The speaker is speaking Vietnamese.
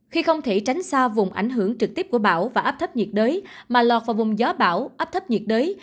khi không thể tránh xa vùng ảnh hưởng trực tiếp của bão và áp thấp nhiệt đới mà lọt vào vùng gió bão áp thấp nhiệt đới